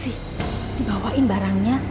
asyik dibawain barangnya